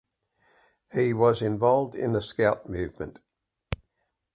He was involved in the Scout Movement.